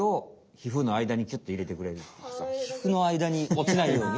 皮膚のあいだにおちないように？